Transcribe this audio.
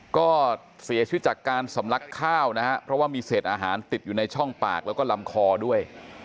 ก็เสียชีวิตจากการสำลักข้าวนะครับเพราะว่ามีเศษอาหารติดอยู่ในช่องปากแล้วก็ลำคอด้วย